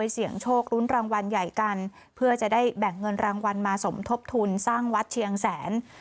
เสี่ยงโชคลุ้นรางวัลใหญ่กันเพื่อจะได้แบ่งเงินรางวัลมาสมทบทุนสร้างวัดเชียงแสน